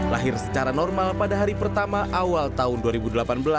lahir secara normal pada hari pertama awal tahun dua ribu delapan belas